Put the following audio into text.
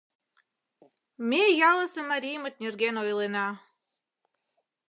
Ме ялысе мариймыт нерген ойлена.